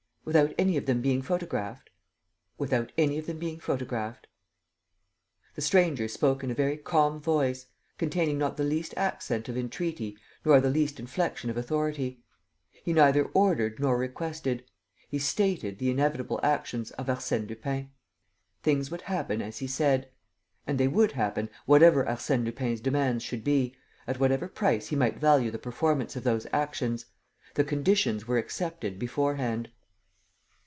"Without any of them being photographed?" "Without any of them being photographed." The stranger spoke in a very calm voice, containing not the least accent of entreaty nor the least inflection of authority. He neither ordered nor requested; he stated the inevitable actions of Arsène Lupin. Things would happen as he said. And they would happen, whatever Arsène Lupin's demands should be, at whatever price he might value the performance of those actions. The conditions were accepted beforehand.